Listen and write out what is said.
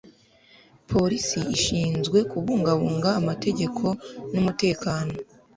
polisi ishinzwe kubungabunga amategeko n'umutekano